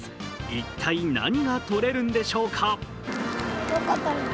一体、何が取れるんでしょうか？